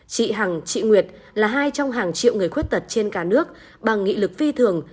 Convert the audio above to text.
chị hằng chị nguyệt là hai trong hàng triệu người khuyết tật trên cả nước bằng nghị lực phi thường